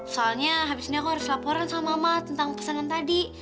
soalnya habis ini aku harus laporan sama mama tentang pesanan tadi